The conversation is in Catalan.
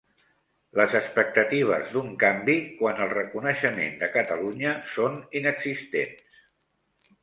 Les expectatives d'un canvi quant al reconeixement de Catalunya són inexistents